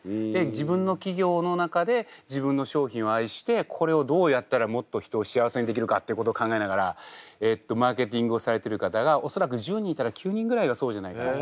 自分の企業の中で自分の商品を愛してこれをどうやったらもっと人を幸せにできるかっていうことを考えながらマーケティングをされてる方が恐らく１０人いたら９人ぐらいがそうじゃないかな。